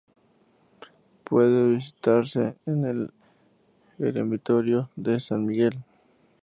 Puede visitarse el eremitorio de San Miguel.